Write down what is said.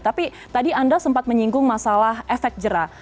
tapi tadi anda sempat menyinggung masalah efek jerah